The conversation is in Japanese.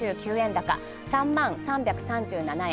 高３万３０３７円。